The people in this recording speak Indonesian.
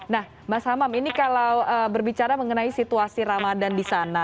nah mas hamam ini kalau berbicara mengenai situasi ramadan di sana